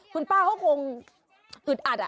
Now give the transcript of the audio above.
คุณป้าเขาคงอึดอัด